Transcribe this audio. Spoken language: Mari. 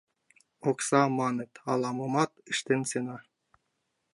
Окса, маныт, ала-момат ыштен сеҥа.